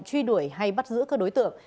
truy đuổi hay bắt giữ các đối tượng